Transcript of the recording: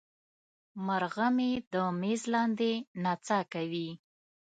مرغه مې د میز لاندې نڅا کوي.